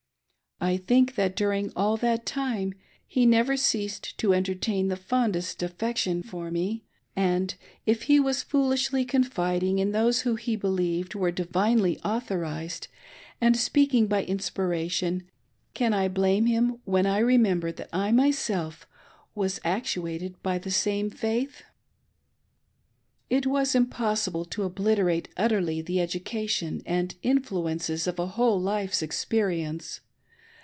I think that during all that time he never ceased to entertain the fondest affection for me ; and, if he was foolishly confiding in those who he believed were divinely authorised and speaking by in spiration, can I blame him when I remember that I myself was actuated by the same faith? THE serpent's TRAIL. 617 It was impossible to obliterate utterly the education and in fluences of a whole life's experience.